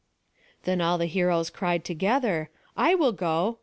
Then all the heroes cried together: "I will go!"